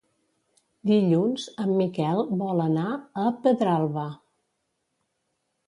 Dilluns en Miquel vol anar a Pedralba.